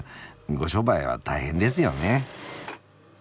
ご商売は大変ですよね。